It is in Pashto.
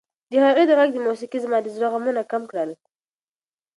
د هغې د غږ موسیقۍ زما د زړه غمونه کم کړل.